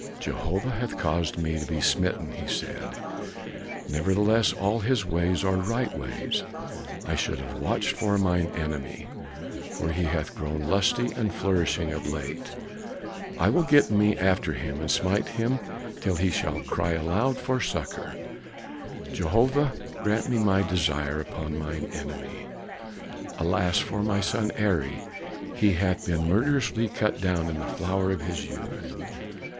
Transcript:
"Jehovah hath caused me to be smitten," he said. "Nevertheless all his ways are right ways. I should have watched for mine enemy, for he hath grown lusty and flourishing of late. I will get me after him and smite him till he shall cry aloud for succor. Jehovah grant me my desire upon mine enemy! Alas for my son Eri! He hath been murderously cut down in the flower of his youth!